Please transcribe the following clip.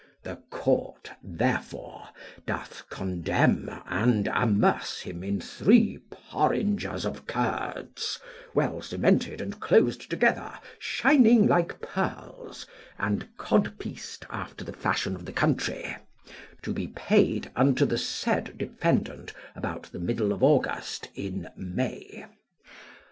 The court, therefore, doth condemn and amerce him in three porringers of curds, well cemented and closed together, shining like pearls, and codpieced after the fashion of the country, to be paid unto the said defendant about the middle of August in May.